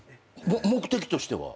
目的としては？